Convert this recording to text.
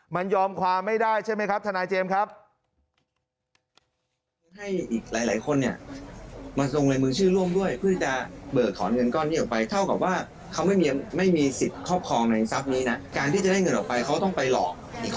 มันยอมความไม่ได้ใช่ไหมครับทนายเจมส์ครับ